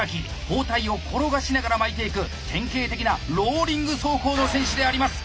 包帯を転がしながら巻いていく典型的なローリング走行の選手であります。